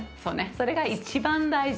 それが一番大事。